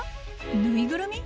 縫いぐるみ？